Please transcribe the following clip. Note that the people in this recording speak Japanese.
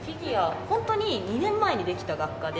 本当に２年前にできた学科で。